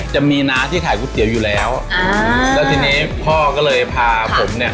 จะมีน้าที่ขายก๋วยเตี๋ยวอยู่แล้วแล้วทีนี้พ่อก็เลยพาผมเนี่ย